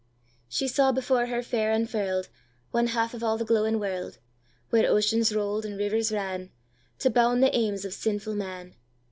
She saw before her fair unfurl'dOne half of all the glowing world, Where oceans roll'd, and rivers ran, To bound the aims of sinful man.